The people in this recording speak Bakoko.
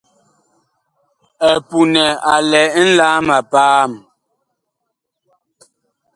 EPUNƐ a lɛ nlaam a paam.